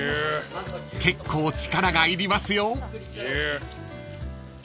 ［結構力がいりますよ］